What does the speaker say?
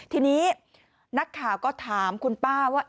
ทีนี้นักข่าวก็ถามคุณป้าว่า